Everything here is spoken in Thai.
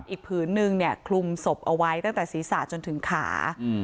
ผืนนึงเนี่ยคลุมศพเอาไว้ตั้งแต่ศีรษะจนถึงขา